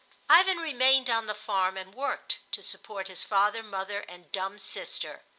Ivan remained on the farm and worked to support his father, mother, and dumb sister.